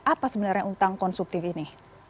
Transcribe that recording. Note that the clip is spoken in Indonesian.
apa sebenarnya utang konsumtif ini